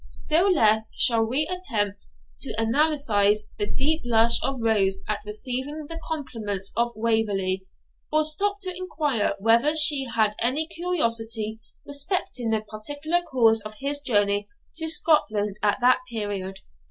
Still less shall we attempt to analyse the deep blush of Rose at receiving the compliments of Waverley, or stop to inquire whether she had any curiosity respecting the particular cause of his journey to Scotland at that period.